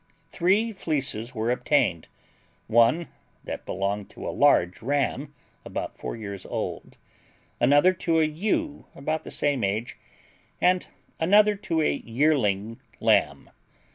Three fleeces were obtained—one that belonged to a large ram about four years old, another to a ewe about the same age, and another to a yearling lamb.